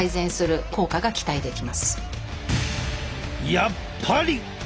やっぱり！